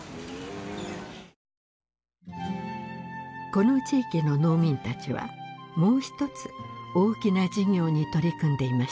この地域の農民たちはもう一つ大きな事業に取り組んでいました。